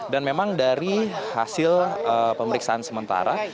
dan memang dari hasil pemeriksaan sementara